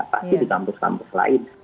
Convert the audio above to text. pasti di kampus kampus lain